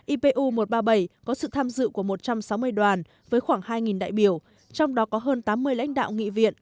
ipu một trăm ba mươi bảy có sự tham dự của một trăm sáu mươi đoàn với khoảng hai đại biểu trong đó có hơn tám mươi lãnh đạo nghị viện